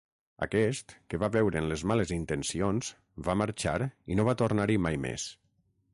Aquest, que va veure'n les males intencions, va marxar i no va tornar-hi mai més.